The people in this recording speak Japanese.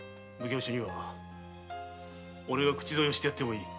奉行所にはおれが口添えしてやってもいい。